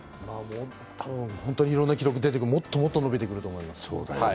多分いろんな記録が出てくる、もっともっと伸びてくると思います。